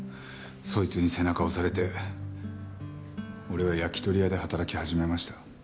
そいつに背中を押されて俺は焼き鳥屋で働き始めました。